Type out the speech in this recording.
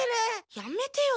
やめてよ